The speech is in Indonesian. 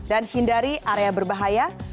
dan hindari area berbahaya